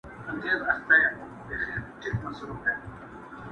بل موږك په كونج كي ناست وو شخ برېتونه٫